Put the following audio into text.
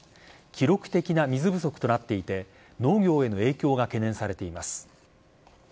記録的な水不足となっていて農業への影響が懸念されています。